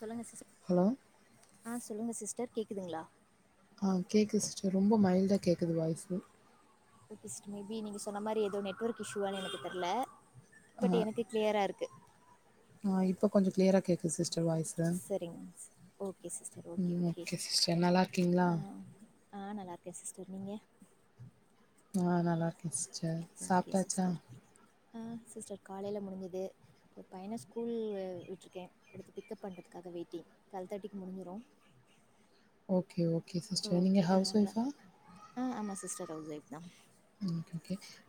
சொல்லுங்க sister hello ஆஹ் சொல்லுங்க சிஸ்டர் கேட்குதுங்களா ஆஹ் கேட்குது சிஸ்டர் ரொம்ப மைல்டா கேட்குது வாய்ஸு மே பி நீங்க சொன்ன மாதிரி ஏதோ நெட்வர்க் இஷுவானு எனக்கு தெரியல ஆ பட் எனக்கு கிளியரா இருக்கு ஆ இப்போ கொஞ்சம் கிளியரா கேட்குது சிஸ்டர் வாய்ஸு சரிங்க ஓகே சிஸ்டர் ஓகே ம் ஓகே சிஸ்டர் நல்லா இருக்கீங்களா ஆ ஆ நல்லருக்கேன் சிஸ்டர் சொன்னீங்க ஆஹ் நல்லாருக்கு சாப்பிட்டாச்சா ஆஹ்சிஸ்டர் காலையில முடிஞ்சுது இப்போ பையன ஸ்கூல் விட்டுருக்கேன் அடுத்து பிக்கப் பண்ணுறதுக்காக வெயிட்டிங் டுவெல் தேர்ட்டிக்கு முடிஞ்சிடும் ஓகே ஓகே சிஸ்டர் நீங்க ஓகே ஹவுஸ் அதனால தான் ஒய்ஃபா ஆ ஆமாம் சிஸ்டர் ஹவுஸ் ஒய்ஃப் தான்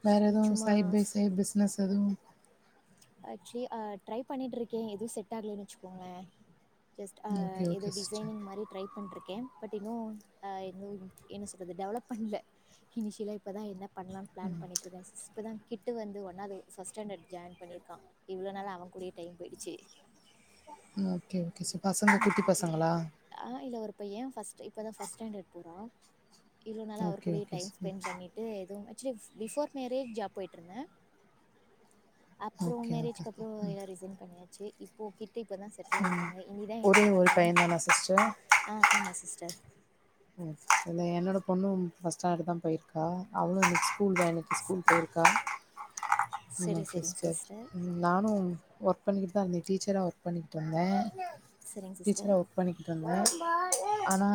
வேற எதவும் சும்மா சைட் பை சைட் பிசினஸ் எதுவும் ஆக்சுவலி ட்ரை பண்ணிட்டு இருக்கேன் எதுவும் செட் ஆகலன்னு வச்சுக்கோங்களேன் ஜஸ்ட் ஓகே அஹ் ஓகே ஏதோ சிஸ்டர் டிசைனிங் மாதிரி ட்ரை பண்ணிட்டுருக்கேன் பட் இன்னும் ஹ் என்ன சொல்றது டெவலப் பண்ணல இனிஷியலா இப்ப தான் என்ன பண்ணலாம்னு ப்ளான் பண்ணிட்டுருக்கேன் சிஸ்டர் இப்ப தான் கிட்டு வந்து ஒன்னாவது ஃபர்ஸ்ட் ஸ்டாண்டர்ட் ஜாயின் பண்ணியிருக்கு இருக்கான் இவ்வளோ நாளா அவன் கூடியே டைம் போயிடுச்சு உம் ஓகே கிட்ஸ் பசங்க குட்டி ஓகே பசங்களா இப்பதான் ஃபஸ்ட் ஸ்டாண்டர்ட் போறான் இவ்ளோ நாளா அவரு ஓகே கூடைய ஓகே டைம் ஸ்பெண்ட் சிஸ் பண்ணிட்டு எதுவுமே ஆக்சுவலி பிஃபோர் மேரேஜ் ஜாப் போய்ட்டுருந்தேன் அப்புறம் ஓகே ஓகே மேரேஜ்கப்புறம் எல்லாம் ரிசைன் பண்ணியாச்சு ச இப்போ கே இப்பதான் செட்டில் ஆயிஸ ம் இருக்காங்க என்ன ஒரே ஒரு பண்ணலாம் பையன் தானா சிஸ்டர் ஆஹ் ஆமா சிஸ்டர் இல்ல என்னோட பொண்ணும் பர்ஸ்ட் ஸ்டாண்டர்ட் தான் போயிருக்கா அவளும் ஸ்கூல் ஜாயன் இன்னைக்கு ஸ்கூல் போயிருக்கா செரி செரிங் பஸட் சிஸ்டர் நானும் ஒர்க் பண்ணிட்டு அங்க டீச்சராக ஒர்க் பண்ணிட்டுந்தேன் செரிங் சிஸ்டர் டீச்சரா ஒர்க் பண்ணிக்கிட்டு இருந்தேன் ஆனா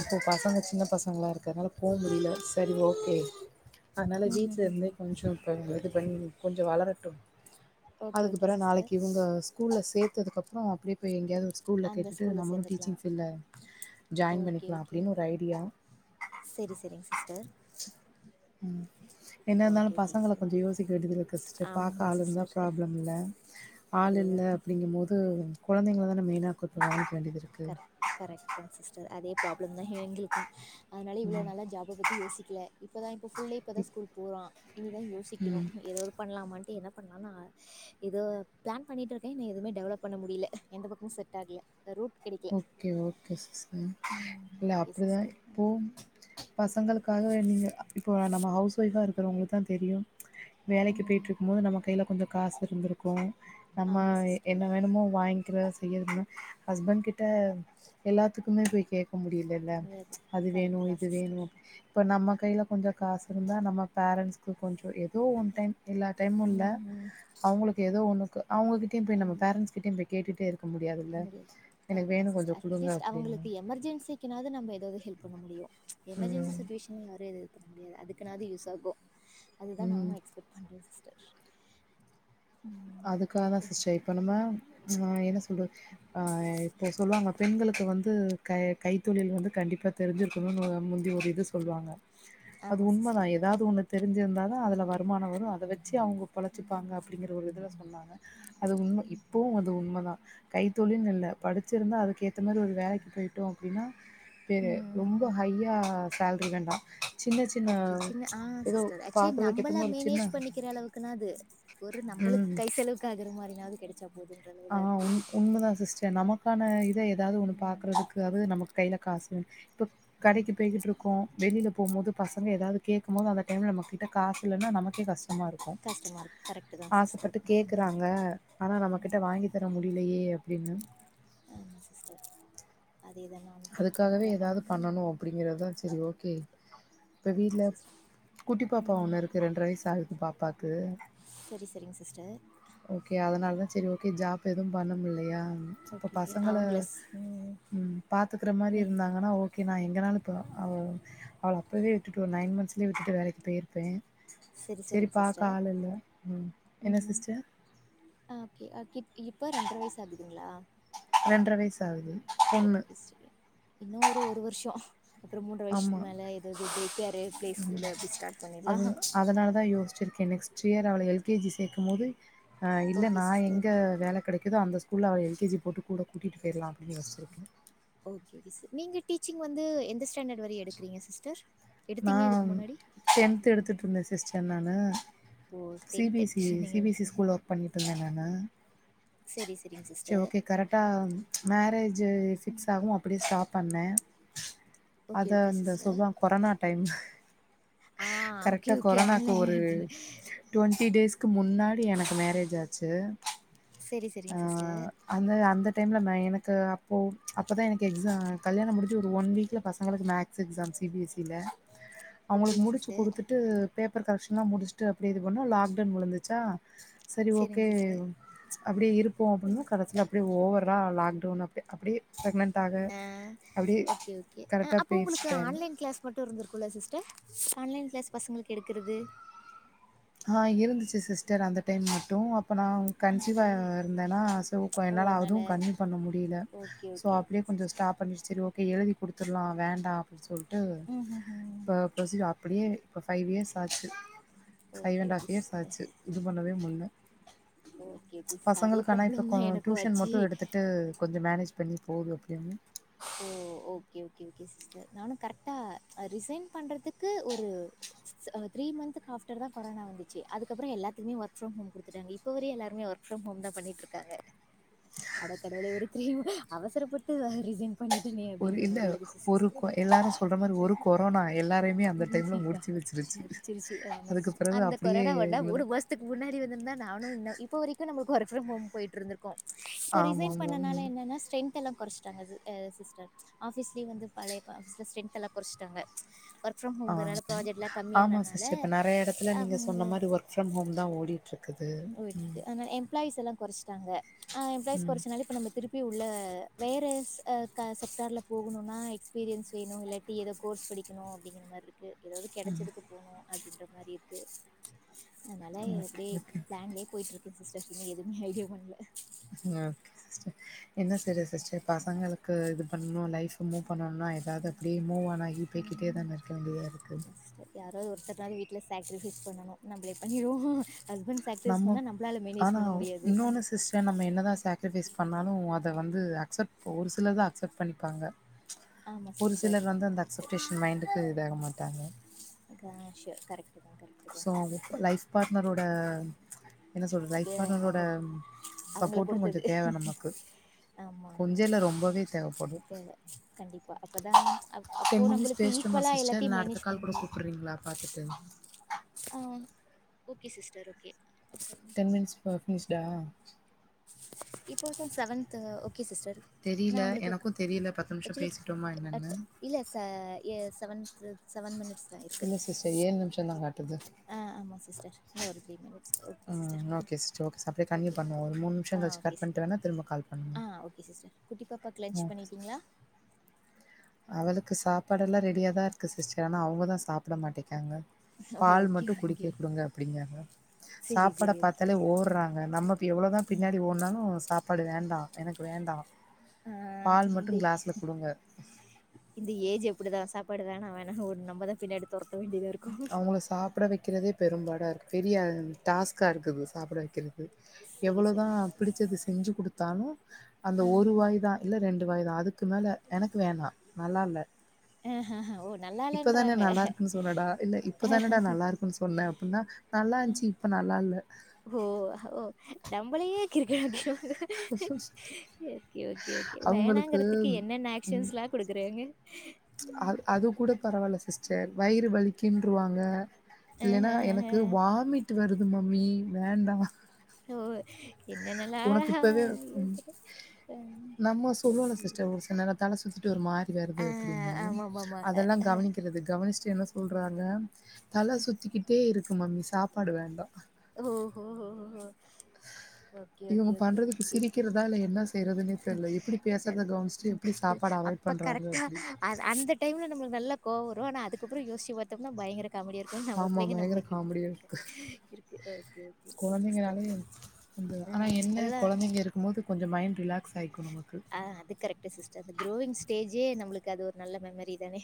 இப்போ பசங்க சின்ன பசங்களாம் இருக்கனால போக முடியல சரி ஓகே அதனால ம் ம் வீட்ல ம் இருந்தே கொஞ்சம் இப்போ இது பண்ணி கொஞ்சம் வளரட் ஓகே ஓகே அதுக்குப்புறம் சிஸ்டர் நாளைக்கு இவங்க ஸ்கூல்ல சேர்த்ததுக்கப்புறம் அப்படியே போய் எங்கேயாவது ஸ்கூல்ல அந்த கேட்டுட்டு ஸ்கூல்ல நம்மளும் சேந்துக்லா டீச்சிங் ஃபீல்டுல ஓகே ஓகே சரி சரிங்க சிஸ்டர் ம் என்ன ஓகே இருந்தாலும் ஓகே சிஸ் பசங்களை கொஞ்சம் யோசிக்க வேண்டியது இருக்கு சிஸ்டர் பார்க்க ஆமா ஆள் இருந்தா சிஸ்டர் ப்ராப்ளம் இல்லை ஆள் இல்லை அதேதா அப்படிங்கும் போது குழந்தைங்கள தான மெியினா கூட் கரெக்ட் கரெக்ட் தான் சிஸ்டர் அதே ப்ராப்ளம் தான் எங்களுக்கும் அதனால இவ்ளோ ம். நல்ல ஜாப் பத்தி யோசிக்கல இப்பதான் இப்ப ஃபுல் டே இப்பதான் இப் ஸ்கூல் போறான் இனிதான் ம். யோசிக்கணும் ஏதாவது பண்ணலாமான்னு என்ன பண்ணலாம்னு பிளான் பண்ணிட்டு இருக்கேன் எதுவுமே டெவலப் பண்ண முடிய எந்த பக்கமும் செட் ஆகல ரூட் கிடைக்கல ஓகே ஓகே சிஸ் ம் இல்ல ஓகே அப்படிதான் சிஸ்டர் இப்போ ம் பசங்களுக்காக வேன்டிங்க இப்போ நம்ம ஹவுஜக்ஷஸ் வைஃப் பா இருக் வங்களுக்கு தான் தெரியும் வேலைக்கு ம் போயிட்டு இருக்கும் போது நம்ம கையில கொஞ்சம் காசு இருந்திருக்கும் நம்ம ஆமாம் என்ன சிஸ்டர் வேணுமோ வாங்கிக்கிறத செய்யறதுன்னா ஹஸ்பண்ட் கிட் ட் எல்லாத்துக்குமே போய் கேட்க முடியலல்ல ல அது கரெக்டு வேணும் தான் இது சிஸ்டர் வேணும் இப்ப நம்ம கையில கொஞ்சம் காசு இருந்தா நம்ம பேரண்டட்ஸ்க்கு கொஞ்சம் ஏதோ ஒ டைம் இல்லா டைமுும் இல்ல ம் ம் அவங்களுக்கு ஏதோ ஒண்ணு அவங்ககிட்டய் நம ஆமாம் பேரண்டஸ்்கிட்டய போய் கேட்டுட்டே இரு க்க முடியாதுல்ல கரெக எனக்கு வேணும் கொஞ்சோ தான் குடுங்க அப்டின்னே. அட்லீஸ்ங்களுக்கு எமர்ஜென்சிாவ நம் ஏதாவதுஹெல்ப் பண்ண முடியும் எமர்ஜென்சி ம். சுச்சுவேஷன்யேதுது ப முடியாது அதுக்குனாவது யூஸ் ஆகும் அதுதான் ம். நானும் எக்ஸ்பெக்ட் பண்றது அதுக்காக தான் கரெக்டு சிஸ்டர் இப்ப நும என்ன சொல்வ இப்போ சொல்லுவாங்க பெண்களுக்கு வந்து க கைத்தொழில் வந்து கண்டிப்பாக தெரிஞ்சிருக்கணும்ன்னு முந்தி ஒரு இது சொல்லுவாங்க அது ஆமாம் சிஸ்டர் உண்மைதான் ஓகே ஏதாவது ஒண்ணு தெரிஞ்சிருந்தாாதான் அதுல வருமானம் வரும் அதை வச்சு அவங்க பழச்சிப்பாங்க அப்படிங்கிற ஒரு இதுல சொன்னாங்க அது உண்மை இப்பவும் அது உண்மைதான் கைத்தொழில் நல்ல படிச்சிருந்தா அதுக்கேத்த மாரி ஒரு வேலைக்கு போய்ட்டோ அப்டின்னா பே ரொம்ப ஹையா சேல்ரி வேண்டா சின்ன சின்ன ஒகே சின்ன ஆஹ் ஏதோ சிஸ்டர் ஆக்சுவலி பாக்குறதுக்கு ஏத்த நம்பள மாரி ஒரு மேனேஜ் சின்ன பண்ணிக்கிற அளவுக்குன்னாது ஒரு நம்மளுக்கு கை செலவு க்கு ஆகுற மாரி நாது கெட ஆஹ் உண் உண்மதா சிஸ்டர் நம க்கான இ து ஏதாவது ஒண்ணு பாக்குறதுக்கு ஆது நமக்கு கைல காசு வேணு இப்ப கடைக்கு போய்குட்டு இருக்கோ வெளியில போம்போது பசங்க ஏதாவது கேக்கும்போது அந்த டைம்ல நம்மகிட்ட காசு இல்லனா நமக்கே கஷ் டமா இருக்கு கஷ்டமாக இருக்குது கரெக்டு தான் சிஸ்டர் ஆசப்பட்டு கேக்குறாங்க ஆனா நமக் கிட்ட வாங்கி தர முடியலயே அப்டின்னு ஆமாம் சிஸ்டர் அதே தான் நானும் திங்க் அதுக்காகவே பண்ணுறேன் ஏதாவது ஆனால் பண்ணணு அப்டிங்கறதா சரி ஓ ஓகே இப்ப ஓகே வீட்டுல குட்டி பாப்பா சிஸ்டர் ஒண்ணு இருக்கு ரெண்டர வயசு ஆகுது பாப்பாக்கு சரி சரிங்க சிஸ்டர் ஓகே அதனாலதா செரி ஓகே ஜாப் எதுவு பண்ண முடிலயே ம் இப்ப ஓகே ஓகே பசங்கள அவங்கள ஸ்- ம் பாத்துக்கற மாரி இனி இருந்தாங்கன்னா ஓகே நா எங்கனாலு இப்ப அவ்ளோ அவளோ அப்பவே விட்டுட்டு ஒரு நைன் மந்த்ஸ்லயே விட்டுட்டு வேலைக்கு போயிருப்ப சரி செரி சரிங்க பாக்க சிஸ்டர் ஆள் இல்ல உம் என்ன சிஸ்டர் அஹ் ஓகே ஒகே இப்போ ரெண்டர வயசு ஆகுதுங்களா ரெண்டர வயசு ஆவுது ஓகே ஸ்ரி இன்னோரு ஒரு வருஷா அப்ரோ மூன்ற ஆமா வயசத்துக்கு மேல ஏதாது டே கேரு பிலே ஸ்கூலு அப்டி ஸ்டார்ட் பண்ணிட்லா அது அதனாலதா யோசிச்சிருக்கே நெக்ஸ்ட் இயர் அவள எல் கே ஜி சேக்கும் போது ஆஹ் இல்ல ஓகே நா சிஸ்டர் எங்க வேல கெடைக்குதோ அந்த ஸ்கூல்ல அவ எல் கே ஜி போட்டு கூட கூட்டிட்டு போயிரலா அப்டினு யோச்சிருக்க நீங்க டீச்சிங் வந்து எந்த ஸ்டாண்டர்ட் வரையு எடுக்கிறீங்க சிஸ்டர் நா எடுத்தீங்க இதுக்கு முன்னாடி டென்து எடுத்திட்டுருந்த சிஸ்டர் நானு ஓ சி tenth B S E C எடுத்துருந்தீங்க B S C school work பண்ணிட்டுருந்தே நா நா சரி சரிங்க சரி சிஸ்டர் ஓகே கரெக்டா மேரேஜ் ஃபிக்ஸ் ஆகவோ அப்டியே ஸ்டாப் பண்ண அத ஓகே ஓகே அந்த சிஸ்டர் சுகோ கொரநாட் ஆ ஓகே கரெக்டா ஓகே கொரோனாக்கு ஒரு ஆன்லைன் டுவெண்ட்டி டேஸ்க்கு முன்னாடி எனக்கு மேரேஜ் ஆச் ச்சு சரி, ஆ சரிங்க சிஸ்டர். அந்த அந்த டைம்ல மேக் எனக்கு அப்போ அப்போதா எனக்கு எக்ஸா கல்யாணம் முடிஞ்சு ஒரு ஒன் வீக்ல பசங்களுக்கு maths exam C B S C ல அவுங்களுக்கு ஓகேங்க முடிச்சி சிஸ்டர். குடுத்துட்டு பேப்பர் கரெக்ஷன்லா முடிச்சிட்டு அப்டியே இது பண்ணா லாக்டவுன் உழுந்துச்சா சரி ஓகே சரிங்க சிஸ்டர். அப்டியே இருப்போ அப்டின்னா கடசில அப்டியே ஓவரா லாக் டவுன் அப்டி அப்டே ப்ரெக்னெண் ம் ஓகே ஓகே அ கரெக்டா அப்போ போயிருச்சு உங்களுக்கு டைம் ஆன்லைன் க்ளாஸ் மட்டு இருந்திரு குல்ல சிஸ்டர் ஆன்லைன் க்ளாஸ் பசங்களுக்கு எடுக்குறது ஆ இருந்துச்சு சிஸ்டர் அந்த டைம் மட்டு அப் ப நா கன்சிவா ஓகே. இருந்தேனா சோ ஓ! என்னால அதனால அதுவு கண்ட்டினியூ பண்ண முடியில ஓகே, ஸோ ஓகே, ஓகே அப்டியே கொஞ்சொ சிஸ்டர். ஸ்டாப் பண்ணி சேரி ஓகே எழுதி குடுத்தற்லா வேண்டா அப்டின் சொல் ட்டு ம்ஹ்ஹ்ம். ப ப்ரொசீஜர் அப்டியே இப்போ ஃபைவ் இயர்ஸ் ஆச்சு ஃபைவ் ஓகே, அண்டாஃப் ஓகே இயர்ஸ் சிஸ்டர். ஆச்சு இது பண்ணவே முல்ல ஓகே, ஓகே சிஸ்டர். அதே பசங்களுக்கானா இப்ப ப்ராப்ளம் கோ தான் எனக்கும் ட்யூஷன் ஆச்சு. மட்டு எடுத்துட்டு கொஞ்சோ மேனேஜ் பண்ணி போகு அப்டியேன் ஓ ஓகே ஓகே ஓகே சிஸ்டர் நானு கரெக்ட்டா அ ரிசைன் பண்றத்துக்கு ஒரு ஸ் த்ரீ மந்துக் ஆஃப்டர்தா கொரோனா வந்துச்சு அதுக்கப்பறோ எல்லாத்துக்குமே ஒர்க் ஃப்ரம் ஹோம் குடுத்துட்டாங்க இப்ப வர எல்லாருமே ஒர்க் ஃப்ரம் ஹோம்தா பண்ணிட்ருக்காங்க அட கடவுளே ஒரு த்ரீ ம அவசரப்பட்டு வ ரிசைன் பண்ணிட்டனே ஒரு அப்டின்ற இல்ல மாரி ஆய்டுச்சு ஒரு சிஸ்டர் கொ எல்லாரும் சொல்ற மாரி ஒரு கொரோனா எல்லாரையுமே அந்த டைம்ல முடிச்சு வச்சிருச்சு முடிச்சிருச்சு ஆமா அதுக்கு சிஸ்டர் பிறகு அந்த அப்டியே கொரோனா ஒன்ன மூனு மாசத்துக்கு முன்னாடி வந்திருந்தா நானு இன் இப்ப வரைக்கு நம் ஒர்க் ஃப்ரம் ஹோம் போய்ட்ருந்த்ரு க்கு இப்ப ஆமா ரிசைன் ஆமா பண்ணனால ம் என்னன்னா ஸ்ட்ரென் தெல்லா கொறச்சுட்டாங்க ஸ் எ சிஸ்டர் ஆஃபீஸ்லய வந்து பழைய ப ஆஃபீஸ்ல ஸ்ட்ரென்த்தெல்லா கொறச்சிட்டாங்க ஒர் ஆ ஆமா சிஸ்டர் இப்ப நறையா எடத்துல நீங்க சொன்ன மாரி ஒர்க் ஃப்ரம் ஹோம் தா ஓடி போயிட்ருக்கு ஆன எம்ப்ளாயீஸ் எல்லா கொறச்சுட்டாங்க ஆ எம்ப்ளாயீஸ் ம் கொறச்சனால இப்போ நம்ம திருப்பி உள்ள ல வேற ஸ் க செக்டார்ல போகணுனா எக்ஸ்பீரியன்ஸ் வேணு இல்லாட்டி ஏதோ கோர்ஸ் படிக்கணு அப்டிங்கிற மாரி இருக் கு ஏதாவ்து கெடச்சதுக்கு போணு அப்டின்ற மாரி இருக்கு ஓகே ஓகே போயிட் இருக்குங் சிஸ்டர் இன்னு எதுமே ஐடியா பண்ல ஓகே சிஸ்டர் என்ன செய்ரது சிஸ்டர் பசங்களுக்கு இது பண்ணு லைப் [unintelligible] பண்ணோன்னா ஏதாது அப்டியே மூவ்வான் ஆகி போய்கிட்டே தான இருக்க வேண்டியதா இருக்கு அதாது ஒருத்தர்னாது வீட்ல சாக்ரிஃபைஸ் பண்ணணு நம்ளே பண்ணிருவோ ஹஸ்பண்ட் சாக்ரிஃபைஸ் நம்ம பண்ணா நம்பளால மேனேஜ் ஆனா பண்ண முடியாது. இன்னொன்னு சிஸ்டர் நம்ம என்னதா சேக்ரிபைஸ் பண்ணாலு அத வந்து அக்சப்ட் ஒரு சிலர் தா அக்சப்ட் ண்ணிப்பாங்க ச் ஆமா ஒரு சிஸ்டர் சிலர் வந்து அந்த கரெக்ட்டு. அக்சப்டேஷன் மைண்டுக்கு இதாக மாட்டாங்க க ஷூர் கரெக்ட்டு தான் கரெக்ட்டு தான் சோ சிஸ். லைஃப் பார்ட்னரோட என்ன சொல்ற லைஃப் அப்டியே பார்ட்னரோட அவ அவங்கள சப்போர்ட்டு கொஞ்சோ பொறுத்தது தேவ நமக்கு ஆமா ஆமா கொஞ்சோ இல்ல ரொம்பவே தேவப்படு தேவ கண்டிப்பா அப்பதா அப் அப்போ டென் மினிட்ஸ் நம்மளுக்கு பேசிட்டோமா ஈக்குவலா சிஸ்டர் எல்லாத்தையு இல்ல அடுத்த மேனேஜ் பண்ண கால் கூட முடியு கூப்பிட்றீங்களா பாத்துட்டு ஆ ஓகே சிஸ்டர் ஓகே டென்மினிட்ஸ் ப பேஸ் ரா இப்போதா செவன்த் ஓகே சிஸ்டர் நா தெரில உங்களுக்கு எனக்கு தெரில பத்து நிமிஷோ ஹெச்டி பேசிட்டோமா அட என்னன்னு இல்ல ச ஏ செவன்து செவன் மினிட்ஸ் இல்ல சி்ஸடர் ஏழு நிமிஷோ தா காட் ஆஹ் ஆமா சிஸ்டர் இன்ன ஒரு த்ரீ மினிட் உம் ஓகே சிஸ்டர் ஓகே சார் அப்படியே கண்டியூ ஓகே பண்ணுவோம் ஒரு மூணு நிமிஷம் ஆ கழிச்சு ஓகே கட் சிஸ் பண்ணிட்டு வேணா திரும்ப கால் ஆ பண்னுவோம் ஓகே சிஸ்டர் குட்டி பாப்பாக்கு லன்ச் ஓகே பண்ணிட்டீங்களா அவளுக்கு சாப்பாடு எல்லாம் ரெடியாதான் இருக்கு சிஸ்டர் ஆனா அவங்கதான் சாப்பிட மாட்டேங் ஆங்க பால் ஓகே மட்டு ஓகே குடிக்க குடுங்க அப்பிடிங்குறாங்க சரி சாப்பாட சரி ஓகே பாத்தாலே ஓடுறாங்க நம்ம எவ்வளவுதான் பின்னாடி ஓடுனாலும் சாப்ப சாப்பாடு வேண்டாம் எனக்கு வேண்டாம் ஆ பால் மட்டு இந்த கிளாஸ்ல குடுங்க இந்த ஏஜ் அப்படிதான் சாப்பாடு வேணாம் வேணானு ஓடும் நம்மதான் பின்னாடி தொரத் அவங்கள சாப்பிட வை வைக்கிறதே பெரும்பாடாக இருக்குது பெரிய டாஸ்க்காக இருக்குது சாப்பிட வைக்கிறது சரி சரிங்க எவ்வளவுதான் சிஸ் பிடிச்சது செஞ்சு குடுத்தாலு அந்த ஆஹ ஒரு வாய் தான் இல்ல ரெண்டு வாய் தான் அதுக்கு க்கு மேல எனக்கு வேணாம் நல்லா இல்லை ஆஹஹ ஓ இப்பதானே நல்லாலன்றாங்க நல்லா இருக்குன்னு சொன்னடா இல்ல இப்ப தானேடா நல்லா இருக்குன்னு சொன்ன ன்ன நல்லா இருந்துச்சு இப்ப நல்லா இல்ல ஓ ஓ நம்மளையே கிறுக்கன் ஆகிடுவாங்க ஓகே ஓகே ஓகே அவங்களுக்கு வேணாங்கிறதுக்கு என்னென்ன ம் ஆக்ஷன்ஸ்லாம் குடுக்குறாங்க செரி வயிறு வலிக்கின்ருவாங்க இல்லேன்னா ஆஹஹஹ எனக்கு வாமிட்டு வருது மம்மி வேண்டா ஓ என்னென்னலா உனக்கு இப்பவே ம் நம்ம சொல்லுவோல சிஸ்டர் ஒரு சில நேரோ தல சுத்திட்டு ஒரு மாரி வருது ஆ அப்டின்னு ஆமாமாமா அதெல்லா கவனிக்கிறது கவனிச்சிட்டு என்ன சொல்றாங்க தல சுத்திக்கிட்டே இருக்கு மம்மி சாப்பாடு வேண்டா ஓ ஹோ ஓகே இவங்க ஓகே ஓகே பண்றதுக்கு சிரிக்கிறதா இல்ல என்ன செய்றதுன்னே தெர்ல. எப்டி இல்ல பேசுறத கவனிச்சுட்டு எப்டி சாப்பாட அவாய்ட் அப்ப பண்றாங்க கரெக்ட்டா அப்டி. அந்த டைம்ல நமளுக்கு நல்ல கோவோ வரு புறோ நா அதுக்கப்றோ‌ யோஸ்ச்சி பாத்தோம்னா பயங்கர காமெடியாருக்கோ நம்ம ஆமா பிள்ளைங்க பயங்கர நம்மளுக்கு எப்டி காமெடியா இருக்க இருக்கு. இருக் கொழந்தைங்கனாலே அந்த ஆனா என்ன கொழந்தைங்க இருக்கும்போது கொஞ்சம் மைண்ட்ரி ல்லாக்ஸ் அஹ் அது கரெக்ட்டு சிஸ் டர் அந்த குரோயிங் ஸ்டேஜே நம்மளுக்கு அது ஒரு நல்ல மெமரி தானே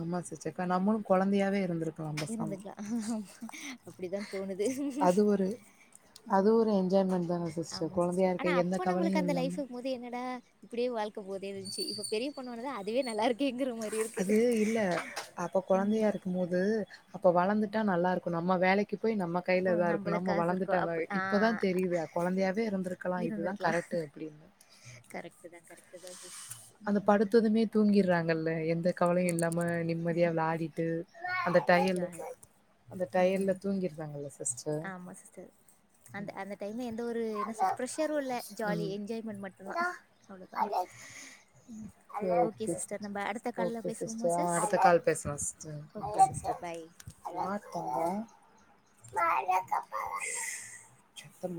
ஆமா சிஸ்டர் கா நம்மளு கொழந்தையாவே இருந்திருக் இருந்துக்கலா அப்டித்தா தோணுது அது ஒரு அது ஒரு என்ஜாய்மெண்ட் தான ஆமா கொழந்தையா சிஸ்டர் ஆனா இருக்க எந்த அப்ப நம்மளுக்கு கவலையும் அந்த இல்லாம. லைஃப்பு இருக்கும் போதே என்னடா இப்டியே வாழ்க் க போதே இருந்ச்சி இப்ப பெரிய பொண்ணோனதா அதுவே நல்லாருக்கேங்குற மா அது இல்ல அப்ப கொழந்தையாருக்கும் போது அப்ப வளந்துட்டா நல்லாருக் நம்ம வேலைக்கி போய் நம்ம இப்போ கையில எதா நம்மள இருக்குனுனு நம்ம காசு இருக்கோ வளந்துட்டா அவ அப் இப்பதா ஆ தெரிய்து கொழந்தையாவே இருந்திருக்கலா இதுதா இருந்திருக்கலா கரட்டு அப்டின்னு கரெக்டுதா அத படுத்ததுமே தூங்கிட்றாங்கல்ல எந்த கவலயு ஓகே இல்லாம நிம்மதியா வெளாடிட்டு ஜ டயர்ல ம் தூங்கிடுறாங்கல்ல சிஸ்டர். ஆமா சிஸ்டர் அந்த அந்த டைம்ல எந்த ஒரு என்ன சொல் ப்ரஷருல்ல ஜாலி ம். என்ஜாய்மெண்ட் மட்டுந்தா அவ்ளோதா ஓகே சிஸ்டர் நம்ம அடுத்த கால்ல ஓகே பேசுவோமா சிஸ்டர் அஹ் சிஸ் அடுத்த கால் பேசலா சிஸ்டர் ஓகே அஹ் சிஸ்டர் பாய் [unintelligible] த்தங்க [unintelligible]